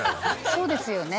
◆そうですよね。